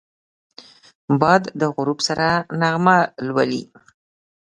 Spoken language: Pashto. باد د غروب سره نغمه لولي